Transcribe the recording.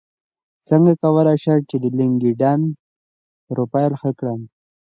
څنګه کولی شم د لینکیډن پروفایل ښه کړم